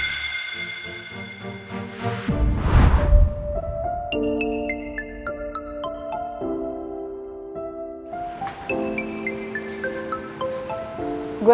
harus dateng surya